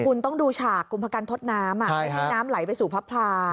คุณต้องดูฉากกรมพกันทดน้ำไม่ให้น้ำไหลไปสู่พระพลา